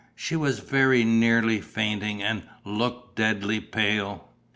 She was very nearly fainting and looked deathly pale.